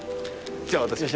じゃあ私が。